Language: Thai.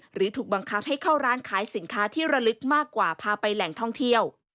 หรือถูกบังคับให้เข้าร้านขายสินค้าที่ระลึกมากกว่าพาไปแหล่งท่องเที่ยว